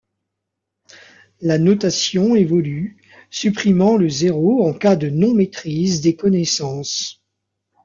La notation évolue, supprimant le zéro en cas de non-maîtrise des connaissances.